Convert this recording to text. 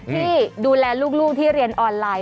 ที่ดูแลลูกที่เรียนออนไลน์